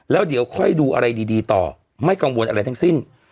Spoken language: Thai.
แล้วเดี๋ยวค่อยดูอะไรดีต่อไม่กังวลอะไรทั้งสิ้น